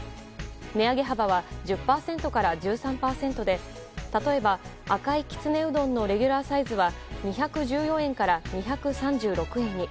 値上げ幅は１０％から１３％で例えば、赤いきつねうどんのレギュラーサイズは２１４円から２３６円に。